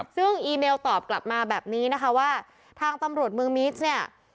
ซึ่งอีเมลตอบกลับมาแบบนี้นะคะว่าทางตำรวจเมืองมิสเนี่ย